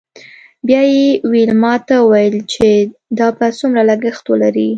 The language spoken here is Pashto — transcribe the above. بیا یې ویلما ته وویل چې دا به څومره لګښت ولري